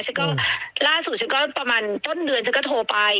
ฉันก็ล่าสุดฉันก็ประมาณต้นเดือนฉันก็โทรไป